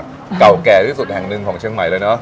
ที่เรียกว่าก่อกแก่ที่สุดแห่งนึงของเชียงใหม่ด้วยเนาะ